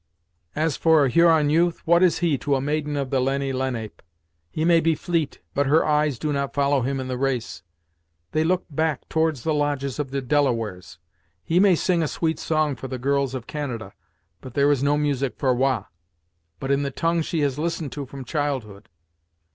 As for a Huron youth, what is he to a maiden of the Lenni Lenape. He may be fleet, but her eyes do not follow him in the race; they look back towards the lodges of the Delawares. He may sing a sweet song for the girls of Canada, but there is no music for Wah, but in the tongue she has listened to from childhood.